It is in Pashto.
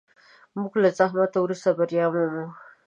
موږ له زحمت وروسته بریا مومو.